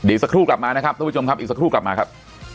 สักครู่กลับมานะครับทุกผู้ชมครับอีกสักครู่กลับมาครับ